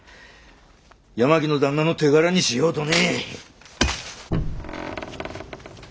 八巻の旦那の手柄にしようとね！